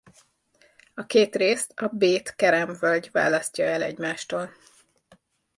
A két részt a Bét Kerem-völgy választja el egymástól.